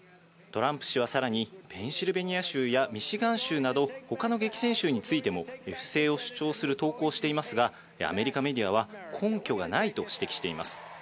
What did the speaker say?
トランプ氏はさらにペンシルベニア州やミシガン州など他の激戦州についても、不正を主張する投稿をしていますがアメリカメディアは根拠がないと指摘しています。